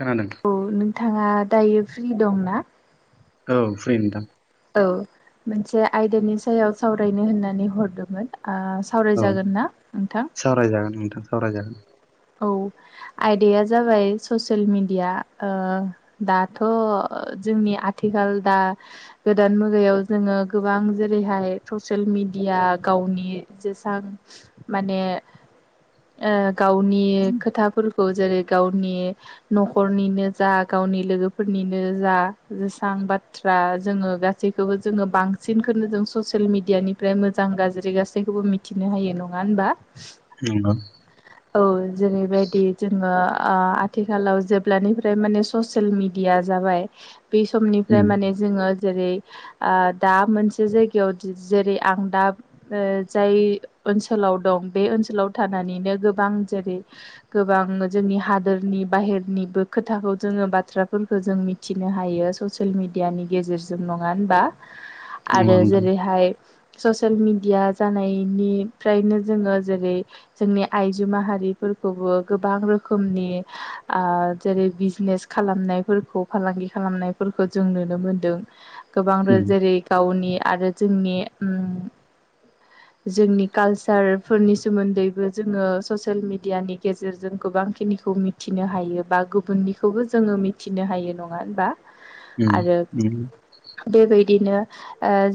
खोनादों औ नोंथाङा दायो फ्रि दं ना? औ फ्रि नोंथां औ मोनसे आयदानि सायाव सावरायनो होननानै हरदोंमोन सावराय औ जागोनना नोंथां। सावरायजागोन नोंथां सावरायजागोन औ आयदाया जाबाय ससियेल मिडिया दाथ अ जोंनि आथिखाल दा गोदान मुगायाव जोङो गोबां जेरैहाय ससियेल मदि गावनि जेसां माने गावनि खोथाफोर खौ जेरै गावनि नखरनिनो जा गावनि लोगोफोरनिनो जा जेसां बाथ्रा जोङो गासैखौबो जोंङो बांसिनखौनो जों ससियेल मिडियानिफ्राय मोजां गाज्रि गासैखौबो मिथिनो हायो नंङा होनबा? नंगौ औ जेरैबायदि जोंङो। ओ आथिखालाव जेब्लानिफ्राय माने ससियेल मिडिया जाबाय बे समनिफ्राय उम माने जोंङो जेरै ओ दा मोनसे जायगायाव जेरै आं दा ओ जाय ओनसोलाव आव दं बे ओनसोलाव थानानैनो गो गोबां जेरै गोबां जोंनि हादोरनि बाहेरनिबो खोथाखौ जोंङो बाथ्राफोरखौ जों मिथिनो हायो ससियेल मिडियानि गेजेरजों नंङा होनबा नंगौ आरो नोंथां जेरैहाय ससियेल मिडिया जानायनिफ्रायनो जोंङो जेरै जोंनि आइजो माहारिफोरखौबो गोबां रोखोमनि जेरै बिजनेस खालामनाय। नाय फोरखौ फालांगि खालामनायफोरखौ जों नुनो मोनदों गोबां उम जेरै गावनि आरो जोंनि जोंनि कालसारफोरनि सोमोन्दैबो जोङो ससियेल मिडियानि गेजेरजों गोबांखिनिखौ मिथिनो हायो बा गुबुननिखौबो जोङो मिथिनो हायो नङा होनबा? उम उम बिदिनो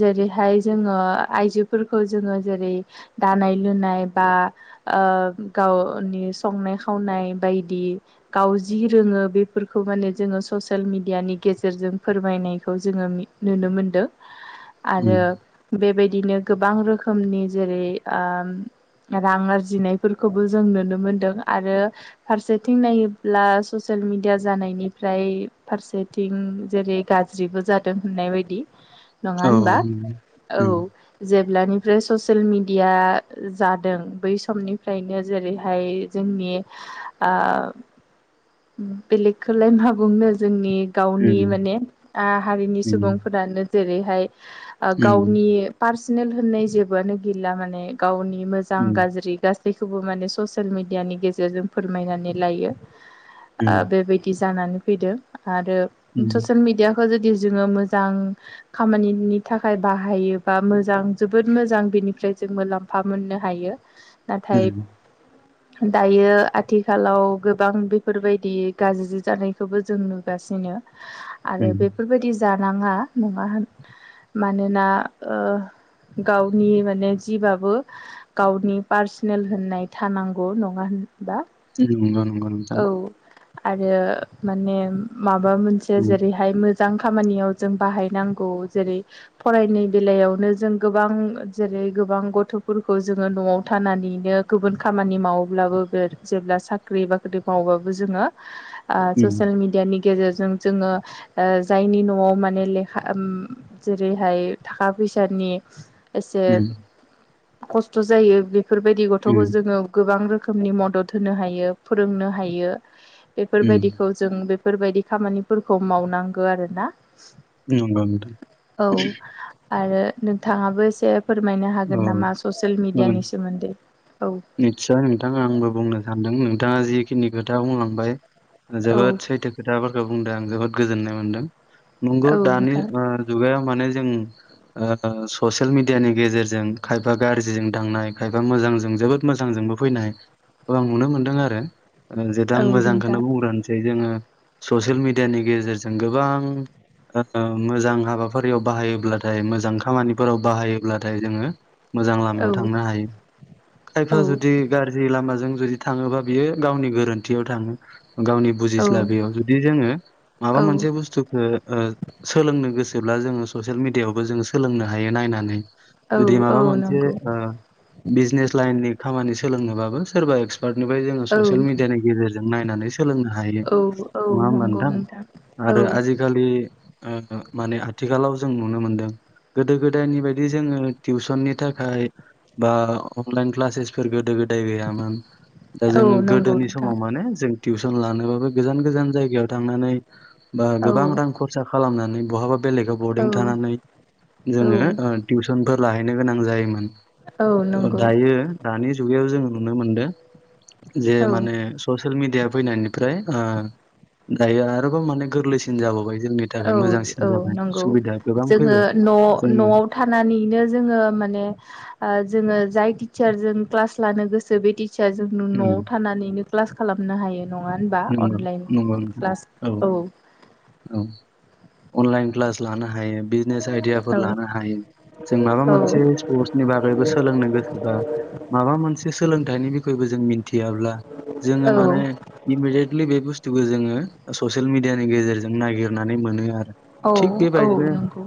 जेरैहाय जोङो आइजोफोरखौ जोङो जेरै दानाय लुनाय नाय बा गावनि संनाय खावनाय बायदि गाव जि रोङो बेफोरखौ माने जोङो ससियेल मिडियानि गेजेरजों फोरमायनायखौ जोङो नुनो मोनदों [inaudible] आरो बेबायदिनो गोबां रोखोमनि जेरै ओ रां आरजि जिनायफोरखौबो जों नुनो मोनदों आरो फारसेथिं नायोब्ला ससियेल मिडिया जानाय निफ्राय फारसेथिं जेरै गाज्रिबो जादों होननाय बायदि नङा औ होनबा औ उम जेब ब्लानिफ्राय ससियेल मेदिया जादों बै स समनिफ्रायनो जेरैहाय जोंनि बेलेगखौलाय मा बुंनो जोंनि गावनि उम माने हारिनि उम सुबुंफोरानो जेरैहाय उम गावनि पार्सनेल होननाय जेबोआनो गैला माने गावनि मोजां उम गाज्रि गासैखौबो माने ससियेल मेडियानि गेजेरजों फोरमायनानै लायो बेबायदि जानानै फैदों आरो उम ससियेल मिडियाखौ जुदि जोङो मोजां खामानिनि थाखाय बाहायोबा मोजां जोबोद मोजां बेनिफ्राय जों मुलाम्फा मोननो हायो उम नाथाय दायो आथिखालाव गोबां बेफोरबायदि गाज्रि जानायखौबो जों नुगासिनो आरो उम बेफोरबायदि जा नाङा नङा होन मानोना गावनि माने जिबाबो गावनि पार्सनेल होननाय थानांगौ नङा होनबा नंगौ नंगौ नोंथां औ आरो माने माबा मोनसे उम जेरैहाय मो मोजां खामानियाव जों बाहायनांगौ जेरै फरायनाय बेलायावनो जों गोबां जेरै गोबां गथ'फोरखौ जोङो न'आव थानानैनो गुबुन खामानि मावोब्लाबो बे जेब्ला साख्रि बाख्रि मावबाबो जोङो उम ससियेल मिडिया नि गेजेरजों जोङो जायनि न'आव माने लेखा जेरैहाय थाखा फै फैसानि एसे उम खस्थ' जायो बेफोर बायदि उम गथ'खौ जोङो गोबां रोखोम रोखोमनि मदद होनो हायो फोरोंनो हायो उम बेफोरबायदिखौ जों बे बेफोरबायदि खामानिफोरखौ मावनांगौ आरो ना नंगौ नोंथां आरो नोंथाङाबो एसे फोरमायनो हागोन नामा ससियेल मिडिया नि सि निस्साय नोंथां आंबो बुंनो सानदों दा जिखिनि खोथा बुंलांबाय औ जोबोद सैथो खोथाफोरखौ बुंदों आं जोबोद गोजोन्नाय मोनदों नंगौ औ दानि नोंथां ओ जुगायाव मनो जों ओ ससेल मिडियानि गेजेर जों खायाफा गारजिजों थांनाय खायफा मोजांजों जोबोद मोजांजोंबो फैनाय खौ आं नुनो मोनदों आरो जे दा आं औ मोजांखौनो नोंथां बुंग्रानोसै जोङो ससियेल मिडियानि गेजेरजों गोबां ओ मोजां हाबाफारियाव बाहायोब्लाथाय मोजां खामानिफोराव बाहायोब्लाथाय जोङो मोजां औ लामायाव थांनो हायो औ खायफा जुदि गाज्रि लामाजों जुदि थाङोबा बियो गावनि गोरोन्थियाव थाङो। गावनि बुजिस्लाबैयाव जुदि जोङो माबा औ मोनसे बुस्थुखौ सोलोंनो गोसो जेब्ला जोङो ससियेल मिडियायावबो जोङो सोलोंनो हायो नायनानै औ जुदि औ माबा मोनसे नंगौ ओ बिजनेस लाइननि खामानि सोलोंनोबाबो सोरबा एक्स सार्टनिफ्राय जोङो औ ससियेल मिडियानि गेजेरजों नायनानै सोलोंनो हायो औ औ नङा होमबा नंगौ नोंथां औ आरो आजि खालि माने आथिखालाव जों नुनो मोनदों गोदो गोदायनि बायदि जोङो। टिउसननि थाखाय बा अनलाइन क्लासेसफोर गोदो गोदाय दै गैयामोन दा औ जोङो नंगौ गोदोनि नोंथां समाव माने जों टिउसन लानोबाबो गोजान गोजान जायगायाव थांनानै बा औ गोबां रां खरसा खालामनानै बहाबा बेलेगाव औ बरडं थानानै औ जोङो ओ टिउसनफोर लाहैनो गोनां जायोमोन। औ नंगौ दायो दानि जोबनायाव नुनो मोनदों जे औ माने ससेल मिदियानि फैनायनिफ्राय दायो आरोबाव माने गोरलैसिन जाबोबाय। औ औ नंगौ गोबां जोङो फैबाय न' जोङो न'आव थानानैनो जोङो माने ओ जोङो जोय टिसारजों क्लास लानो गोसो बे टि जों उम न'आव थानानैनो क्लास खालामनो हायो। नङा होनबा नंगौ अनलाइन नंगौ नोंथां क्लास औ औ अनलाइन क्लास लानो हायो बिजनेस आइदियाफोर औ लानो हायो जों माबा औ मोनसे स्पर्सनि बागैबो सोलोंनो गोसोबा माबा मोनसे सोलोंथाइनि बिखयबो जों जों मिथियाब्ला जोङो मानो औ उयेक्लि बे बुस्थुखौ जोङो ससियेल मिडियानि गेजेरजों नागिरनानै मोनो आरो औ थिग औ बेबायदिनो नंगौ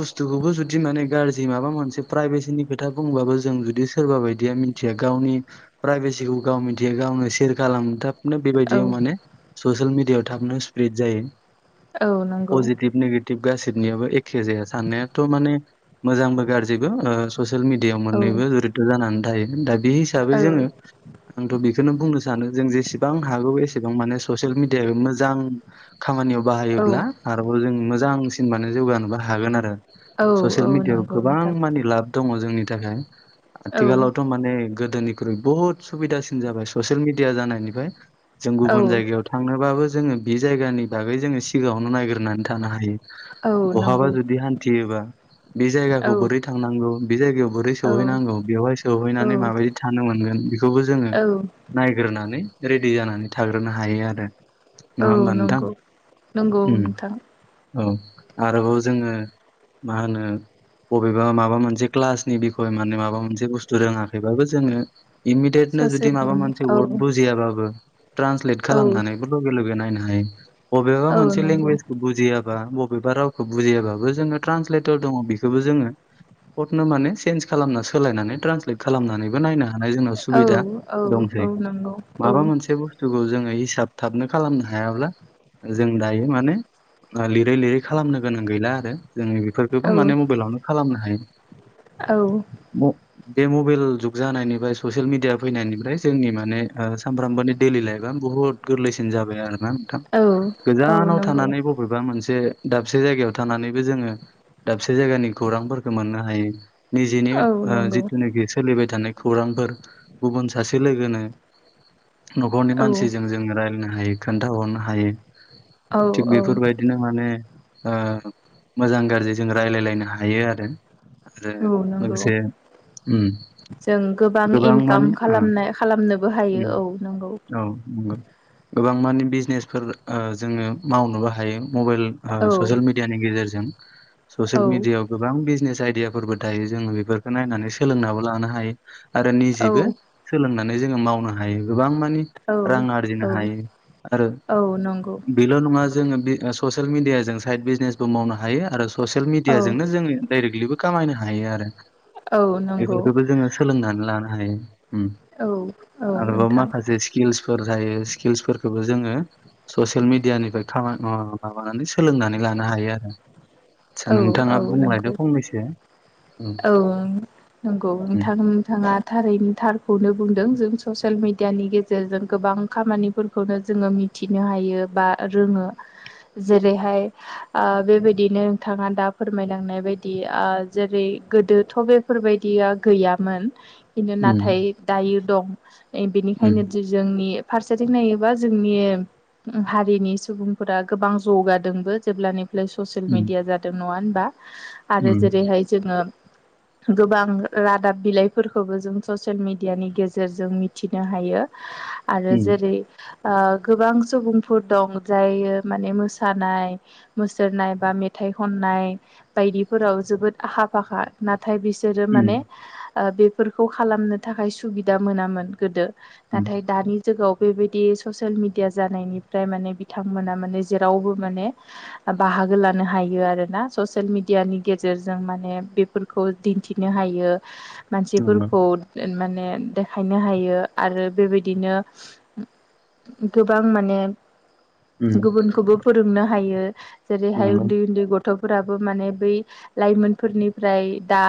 बुस्थुखौबो जुदि माने गाज्रि माबा मोनसे प्राइभेसिनि खोथा बुंबाब जों जुदि सोरबा बायदिया गावनि फ्राइबेसिखौ गाव मिथियों गावनो सेर गालां थाबनो औ बेबायदियाव माने ससियेल मिडियायाव थाबनो स्प्रेड जायो। औ नंगौ। बा गासिबनियबो एखे जाया साननायाथ' माने मोजांबो गाज्रिबो ससियेल मिडियाआव औ मोननैबो जुरिदत' जानानै थायो । दा बे हिसाबै औ जोङो आंथ' बेखौनो बुंनो जों जेसेबां हागौ एसेबां माने ससिल मिडिया मोजां खामानियाव औ बाहायोब्ला आरोबाव जों मोजांसिन माने जौगानोबो हागोन आरो औ । ससियेल औ मिडियाव नंगौ गोबां नोंथां मानि लाब दङ जोंनि थाखाय औ आथिखालावथ' माने गोदोनिख्रुइ बुहुद सुबिदासिन जाबाय ससेल मिड जानायनि जों औ गुबुन जायगायाव थांनोबो जोङो बे जायगानि बागै जोङो सिगाङावनो नायगिरनानै थानो हायो । औ नंगौ बहाबा जुदि हान्थियोबा बे औ जायगाखौ बोरै थांनांगौ बे जायगायाव बोरै औ सहैनांगौ बेवहाय सहैनानै औ माबायदि थानो मोनगोन । बेखौबो जोङो औ नायग्रोनानै रेडि जानानै थाग्रोनो हायो आरो । औ नंगौ नंगौ उम नोंथां । औ आरोबाव जोङो मा होनो बबेबा माबा मोनसे क्लासनि बिखय माने माबा मोनसे बुस्थु रोङाखैबाबो जोङो इमिडेटनो जुदि ससियेल माबा मोनसे मिडिया औ वार्ड बुजियाबाबो ट्रान्सलेट औ खालामनानैबो लगे लगे नायनो अबेबा औ मोनसे नंगौ लेंगुवेज बुजिया बा बबेबा रावखौ बुजियोबाबो जोङो ट्रान्सलेटर दङ बेखौबो जोङो फडनो माने चेन्ज खालामना सोलायनानै ट्रान्सलेट खालामनानैबो नायनो हा थानाय जोंनाव औ सुबिदा औ दंसै औ नंगौ औ माबा मोनसे बुस्थुखौ जों हिसाब थाबनो खालामनो हायाब्ला जों दायो माने ओ लिरै लिरै खालामनो गोनां गैला आरो जोङो औ बेफोरखौबो माने मबाइलावनो खालामनो हायो औ म बे मबाइल जुग जानायनिफ्राय ससियेल मिडिया फैनायनिफ्राय जोंनि माने सानफ्रामबोानि डैलि लाइफ आ बुहुद गोरलैसिन जाबाय आरो ना नोंथां औ औ गोजानाव नंगौ थानानै बबेबा मोनसे दाबसे जायगायाव थानानैबो जोङो दाबसे जायगानि खौरांफोरखौ मोननो हायो । निजेनो औ ओ नंगौ जिथुनाखि सोलिबाय थानाय खौरांफोर गुबुन सासे लोगोनो न'खरनि औ मानसिजों जोंङो रायलायनो हायो खोन्थाहरनो हायो । औ थिग बेफोर बायदिनो माने ओ मोजां गाज्रि जों रायलायलायनो हायो आरो । आरो औ नंगौ लोगोसे उम जों गोबां मानि इनकाम ओ खालामनाय खालामनोबो हायो उम औ नंगौ औ नंगौ । गोबां मानि बिजनेसफोर ओ जोङो मावनोबो हायो । मबाइल औ ससियेल मिडियानि गेजेरजों औ ससियेल मिडियायाव गोबां बिजनेस आइदियाफोरबो दायो जोङो बेफोरखौ नायनानै सोलोंनाबो लानो हायो। आरो औ निजेबो सोलोंनानै जोङो मावनो हायो गोबां माने [unintelligible] रां आरजिनो औ औ हायो आरो औ नंगौ बेल' नङा जोङो बे ससियेल मिडिया जों साइद बिजनेसबो मावनो हायो आरो स ससियेल औ मिडियाजोंनो जोङो डाइरेक्टलिबो कामायनो हायो आरो । औ नंगौ बेफोरखौबो जोङो सोलोंनानै लानो हायो । उम औ औ आरोबाव नोंथां माखासे स्किल्सफोर थायो । स्किल्सफोरखौबो जोङो ससियेल मिेडियानिफ्रायाम माबानानै सोलोंनानै लानो हायो आरो। आदसा औ नोंथाङा औ बुंलायदो नोंगौ। फंनैसो उम औ नंगौ उम नोंथां नोंथाङा थारैनो थारखौनो बुंदों । जों ससे ससियेल मिडियानि गेजेरजों गोबां खामानिफोरखौनो जोङो मिथिनो हायो बा रोङो । जेरैहाय ओ बेबायदिनो नोंथाङा दा फोरमायनांनाय बायदि ओ जेरै गोदोथ' बेफोरबायदिया गैयामोन । खिन्थु उम नाथाय दायो दं । बेनिखायनो उम दि जोंनि फारसेथिं नायोबा जोंनि उम हारिनि सुबुंफोरा गोबां जौगादोंबो जेब्लानिफ्राय ससियेल मिड उम नङा होनबा आरो जेरैहाय जोङो [inaudible] गोबां रादाब बिलाइफोरखौबो जों ससियेल मिडियानि गेजेरजों मिथिनो हायो । आरो उम जेरै ओ गोबां सुबुंफोर दं जायो माने मोसानाय मुसुरनाय बा मेथाइ खननाय बायदिफोराव जोबोद आखा फाखा नाथाय बिसोरो माने उम बेफोरखौ खालामनो थाखाय सुबिदा मोनामोन गोदो उम नाथाय दानि जुगाव बेबायदि ससियेल मिडिया जानायनिफ्राय माने बिथांमोना माने जेरावबो माने बाहागो लानो मोननो हायो आरोना ससियेल मिडियानि गेजेरजों माने बेफोरखौ दिन्थिनो हायो । नंगौ मानसिफोरखौ माने देखायनो हायो आरो बेबायदिनो गोबां माने उम गुबुनखौबो फोरोंनो हायो जेरैहाय नंगौ उन्दै गथ'फोराबो माने बै लाइमोनफोरनिफ्राय दा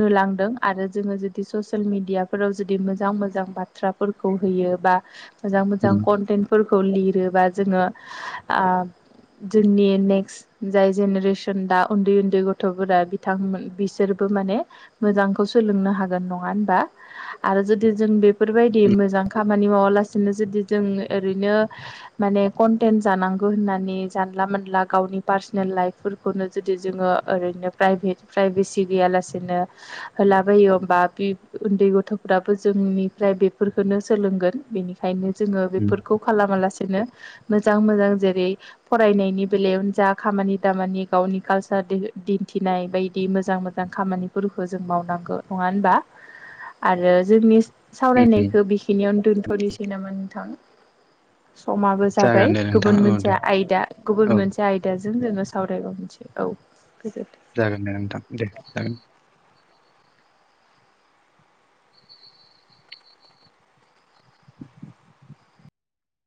नुलांदों आरो जोङो जुदि ससियेल मिडियाफोराव जुदि मोजां मोजां बाथ्राफोरखौ होयो बा मोजां मोजां उम कनटेन्ट फोर खौ लिरोबा जोङो ओ जोंनि नेक्स्ट जाय जेनेरेसन दा उन्दै उन्दै गथ'फोरा बिथांमोन बिसोरबो माने मोजांखौ सोलोंनो हागोन नङा होनबा? आरो जुदि जों बेफोरबायदि मोजां खामानि मावालासिनो जुदि जों ओरैनो माने कनटेन्ट जानांगौ होननानै जानला मोनला गावनि पार्सनेल लाइफफोरखौनो जुदि जोङो ओरैनो प्राइभेट प्राइभेसि गैयालासेनो लाबायो ओमबा बे उन्दै गथ'फोराबो जोंनिफ्राय बेफोरखौनो सोलोंगोन बेनिखायनो जोङो उम बेफोरखौ खालामालासेनो मोजां मोजां जेरै फरायनायनि बेलायावनो जा खामानि दामानि गावनि कालसार दिन्थिनाय बायदि मोजां मोजां खामानिफोरखौ जों मावनांगौ। नङा होनबा आरो जोंनि उम उम सावरायनायखौ बेखिनियावनो दोनथ'नोसै नामा नोंथां। समाबो जाबाय जागोन दे नोंथां गुबुन औ मोनसे दे आयदा गुबुन औ मोनसे आय जों जोङो सावरायोबा मिथियो औ। गोजोन जागोन दे नोंथां दे जागोन ।